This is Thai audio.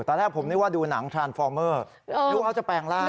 ตอนแรกผมนึกว่าดูหนังทรานฟอร์เมอร์ดูเขาจะแปลงร่าง